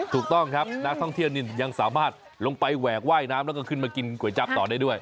ถูกต้องครับนักท่องเที่ยวนี่ยังสามารถลงไปแหวกว่ายน้ำแล้วก็ขึ้นมากินก๋วยจับต่อได้ด้วย